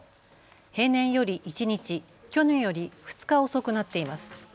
平年より１日、去年より２日遅くなっています。